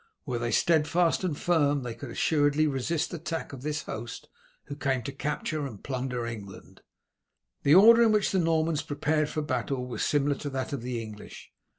Were they steadfast and firm they could assuredly resist the attack of this host who came to capture and plunder England." The order in which the Normans prepared for battle was similar to that of the English.